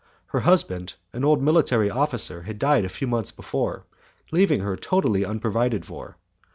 Her husband, an old military officer, had died a few months before, leaving her totally unprovided for.